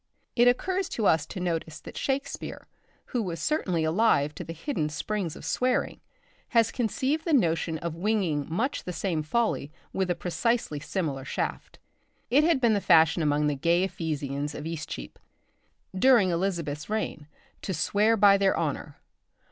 It occurs to us to notice that Shakespeare, who was certainly alive to the hidden springs of swearing, has conceived the notion of winging much the same folly with a precisely similar shaft. It had been the fashion among the gay Ephesians of Eastcheap, during Elizabeth's reign, to swear by their honour.